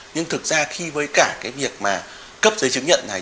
nhưng thực ra khi với cả cái việc mà cấp giấy chứng nhận này